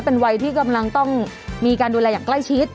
เป็นวัยที่กำลังต้องมีการดูแลอย่างใกล้ชิด